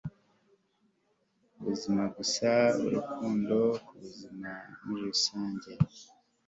ubuzima gusa, urukundo. kubuzima muri rusange